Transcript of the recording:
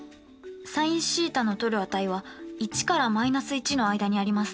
ｓｉｎθの取る値は１から−１の間にあります。